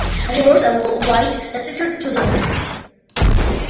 He wore a white seater to dinner.